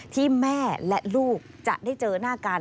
ที่แม่และลูกจะได้เจอหน้ากัน